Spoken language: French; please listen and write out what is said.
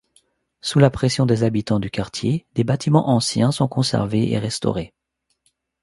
Sous la pression des habitants du quartier, des bâtiments anciens sont conservés et restaurés.